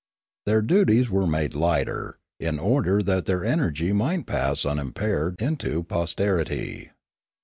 Their duties were made lighter, in order that their energy might pass unimpaired into posterity.